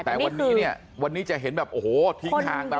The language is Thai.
แต่วันนี้เนี่ยวันนี้จะเห็นแบบโอ้โหทิ้งห่างไป